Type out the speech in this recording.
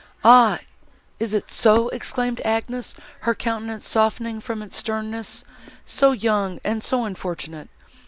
"Ah! is it so?" exclaimed Agnes, her countenance softening from its sternness—"so young, and so unfortunate!